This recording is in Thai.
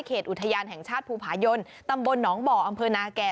อุทยานแห่งชาติภูผายนตำบลหนองบ่ออำเภอนาแก่